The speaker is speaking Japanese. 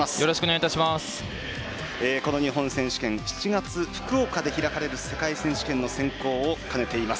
この日本選手権、７月福岡で行われる世界選手権の選考を兼ねています。